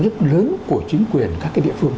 nhất lớn của chính quyền các cái địa phương